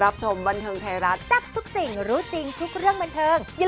หรือว่าเปิดผิดอ่านผิดหรือเปล่า